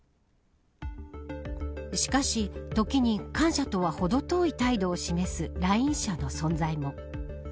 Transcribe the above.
しかし時に感謝とは程遠い態度を示す来院者の存在も。